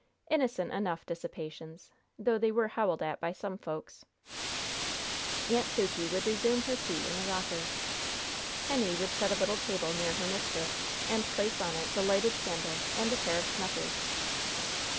Innocent enough dissipations, though they were howled at by some folks. Aunt Sukey would resume her seat in the rocker. Henny would set a little table near her mistress, and place on it the lighted candle and a pair of snuffers.